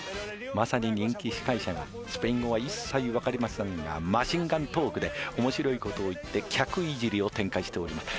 まさに人気司会者がスペイン語は一切分かりませんがマシンガントークで面白いことを言って客いじりを展開しております